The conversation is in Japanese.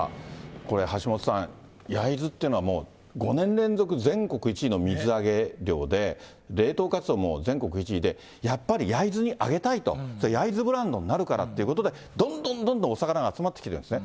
これ、橋下さん、焼津っていうのは、５年連続全国１位の水揚げ量で、冷凍カツオも全国１位で、やっぱり焼津に揚げたいと、焼津ブランドになるからっていうことで、どんどんどんどんお魚が集まってきてるんですね。